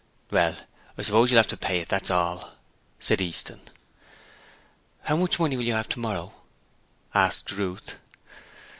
'Well, I suppose you'll have to pay it, that's all,' said Easton. 'How much money will you have tomorrow?' asked Ruth.